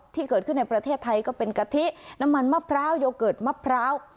ที่เกิดขึ้นในประเทศไทยก็เป็นกะทิน้ำมันมะพร้าวโยเกิร์ตมะพร้าว